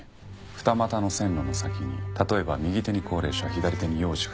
二股の線路の先に例えば右手に高齢者左手に幼児がいる。